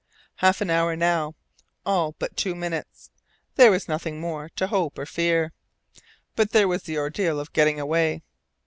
Half an hour now, all but two minutes! There was nothing more to hope or fear. But there was the ordeal of getting away.